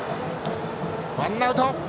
ワンアウト。